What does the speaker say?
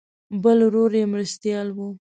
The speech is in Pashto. بل ورور یې مرستیال و.